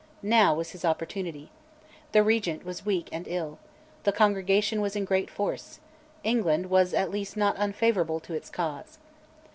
Now was his opportunity: the Regent was weak and ill; the Congregation was in great force; England was at least not unfavourable to its cause.